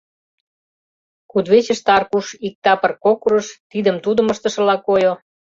Кудывечыште Аркуш иктапыр кокырыш, тидым-тудым ыштышыла койо.